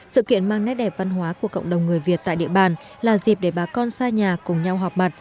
sự kiện mang nét đẹp văn hóa của cộng đồng người việt tại địa bàn là dịp để bà con xa nhà cùng nhau họp mặt